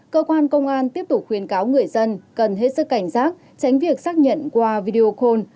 cơ quan công an tiếp tục khuyến cáo người dân cần hết sức cảnh giác tránh việc xác nhận qua video call